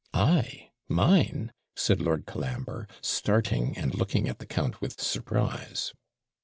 'I! mine!' said Lord Colambre, starling, and looking at the count with surprise.